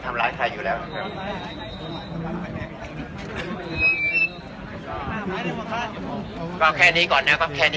ก็ไม่มีใครกลับมาเมื่อเวลาอาทิตย์เกิดขึ้น